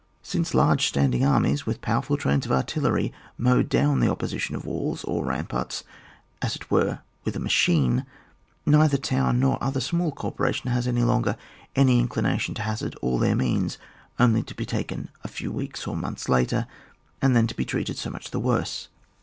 Since large standing armies, with powerful trains of artillery mow down the opposition of walls or ramparts as it were with a machine, neither town nor other small corporation has any longer an inclination to hazard all their means only to be taken a few weeks or months later, and then to be treated so much the worse.